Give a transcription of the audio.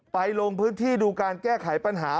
ลงพื้นที่ดูการแก้ไขปัญหา